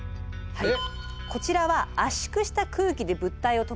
はい。